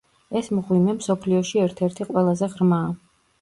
ეს მღვიმე მსოფლიოში ერთ-ერთი ყველაზე ღრმაა.